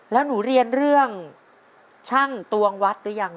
แล้วหนูเรียนเรื่องช่างตวงวัดหรือยัง